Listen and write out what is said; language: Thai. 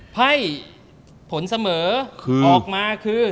ไพ่ผลเสมอออกมาคือ